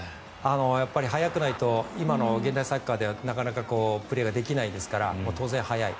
やっぱり速くないと今の現代サッカーではなかなかプレーができないですから当然速い。